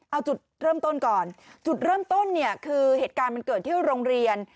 เอาจุดเริ่มต้นก่อนจุดเริ่มต้นเนี่ยคือเหตุการณ์มันเกิดที่โรงเรียน